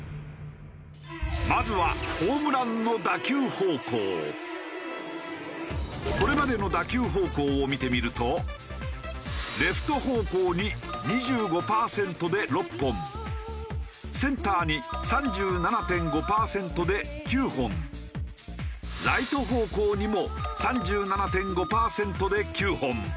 まずはこれまでの打球方向を見てみるとレフト方向に２５パーセントで６本センターに３７．５パーセントで９本ライト方向にも３７．５パーセントで９本。